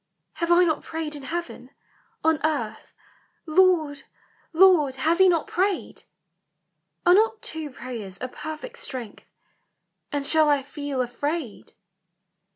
" Have I not prayed in Heaven ?— on earth, Lord, Lord, has he not prayed ? Are not two prayers a perfect strength? And shall I feel afraid